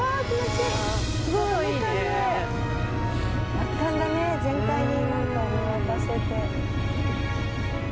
圧巻だね全体見渡せて。